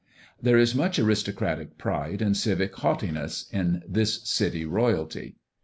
There is much aristocratic pride and civic haughtiness in this city royalty.